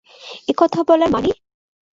এ কথা বলার মানে?